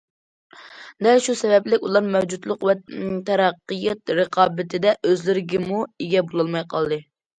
دەل شۇ سەۋەبلىك، ئۇلار مەۋجۇتلۇق ۋە تەرەققىيات رىقابىتىدە ئۆزلىرىگىمۇ ئىگە بولالماي قالدى.